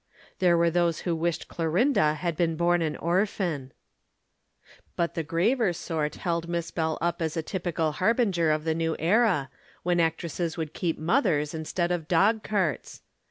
There were those who wished Clorinda had been born an orphan. But the graver sort held Miss Bell up as a typical harbinger of the new era, when actresses would keep mothers instead of dog carts.